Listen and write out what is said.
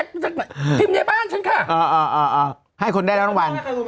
เออให้คนได้รางวัลคนที่ได้รางวัลณประกันที่ค่ะรู้ไหม